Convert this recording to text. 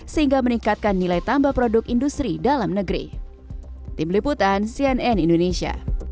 sehingga meningkatkan nilai tambah produk industri dalam negeri